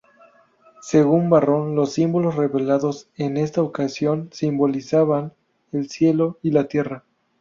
Según Varrón, los símbolos revelados en esta ocasión simbolizaban el Cielo y la Tierra.